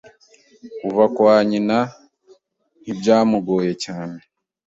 Kuva kwa nyina ntibyamugoye cyane